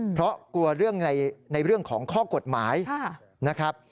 เพราะกลัวเรื่องในเรื่องของข้อกฎหมายนะครับ